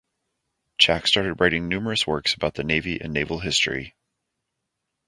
Chack started writing numerous works about the Navy and naval history.